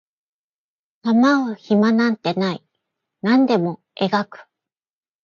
構う暇なんてない何でも描く